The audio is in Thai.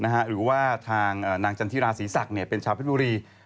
หรือว่าทางนางจันทิราศรีศักดิ์เนี่ยเป็นชาวพฤติบุรี